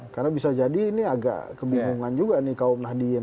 karena bisa jadi ini agak kebingungan juga nih kaum nahdien